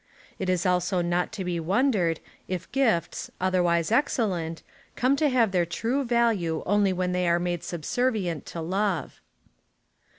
It is also not to be wondered, if gifts, otherwise ex cellent, come to have their true value only when they are made subservient to love.